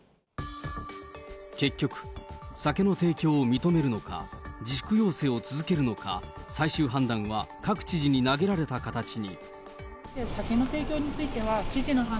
結局、酒の提供を認めるのか、自粛要請を続けるのか、最終判断は各知事に投げられた形に。